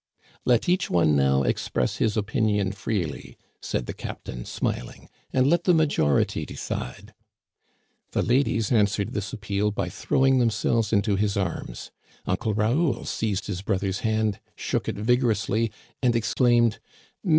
Let each one now express his opinion freely," said the captain, smiling, "and let the majority decide." The ladies answered this appeal by throwing themselves into his arms. Uncle Raoul seized his brother's hand, shook it vigorously, and exclaimed : Digitized by VjOOQIC LOCHIEL AND BLANCHE.